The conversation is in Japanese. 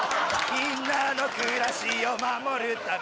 みんなの暮らしを守るため